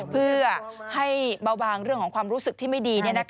เพื่อให้บ่าวบางเรื่องของความรู้สึกที่ไม่ดีนี่นะคะ